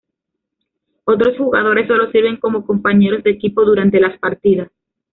Otros jugadores sólo sirven como compañeros de equipo durante las partidas.